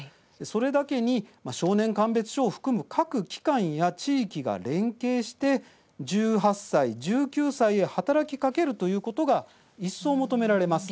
それだけに少年鑑別所を含む各機関や地域が連携して１８歳、１９歳へ働きかけるということが一層求められます。